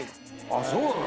あっそうなの？